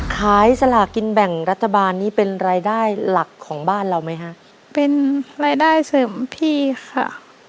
ขายสลากินแบ่งรัฐบาลนี่เป็นรายได้หลักของบ้านเราไหมฮะเป็นรายได้เสริมพี่ค่ะ